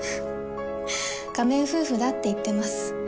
仮面夫婦だって言ってます。